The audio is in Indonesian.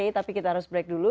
tapi kita harus break dulu